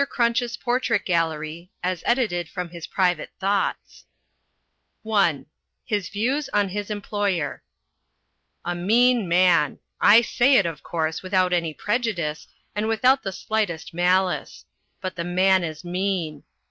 Crunch's Portrait Gallery (as Edited from his Private Thoughts) (I) HIS VIEWS ON HIS EMPLOYER A mean man. I say it, of course, without any prejudice, and without the slightest malice. But the man is mean.